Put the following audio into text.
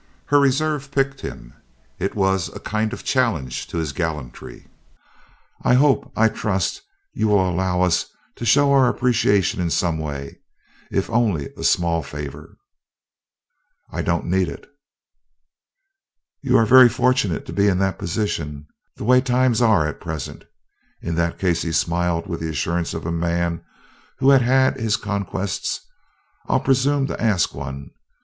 Her reserve piqued him; it was a kind of challenge to his gallantry. "I hope I trust you will allow us to show our appreciation in some way if only a small favor." "I don't need it." "You are very fortunate to be in that position, the way times are at present. In that case," he smiled with the assurance of a man who had had his conquests, "I'll presume to ask one.